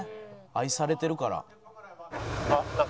愛されてるから。